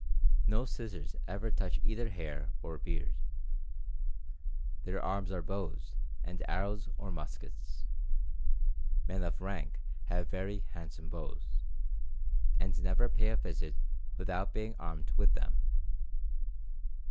No scissors ever touch either hair or beard. Their arms are bows and arrows or muskets. Men of rank have very handsome bows, and never pay a visit without being armed with them.